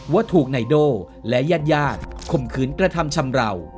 ว่าถูกนายโด่และญาติข่มขืนกระทำชำราว